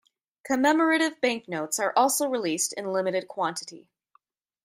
Commemorative banknotes are also released in limited quantity.